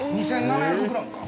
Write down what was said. ２，７００ｇか。